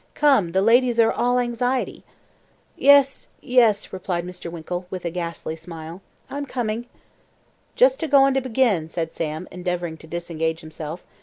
"Come, the ladies are all anxiety." "Yes, yes," replied Mr. Winkle, with a ghastly smile. "I'm coming." "Just a goin' to begin," said Sam, endeavouring to disengage himself.